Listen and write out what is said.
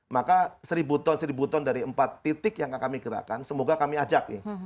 maka seribu ton seribu ton dari empat titik yang akan kami gerakan semoga kami ajak